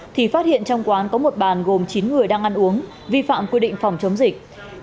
thì phát hiện trong quán có một bàn gồm chín người đang ăn uống vi phạm quy định phòng chống dịch